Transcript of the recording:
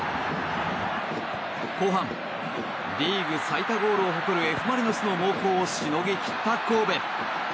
後半、リーグ最多ゴールを誇るＦ・マリノスの猛攻をしのぎ切った神戸。